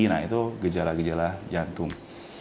nah itu gejala gejala jantung